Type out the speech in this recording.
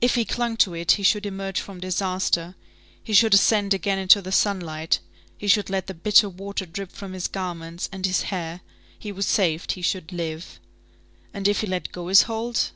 If he clung to it, he should emerge from disaster, he should ascend again into the sunlight, he should let the bitter water drip from his garments and his hair, he was saved, he should live. And if he let go his hold?